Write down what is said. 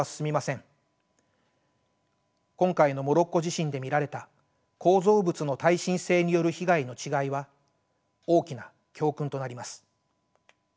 今回のモロッコ地震で見られた構造物の耐震性による被害の違いは大きな教訓となります。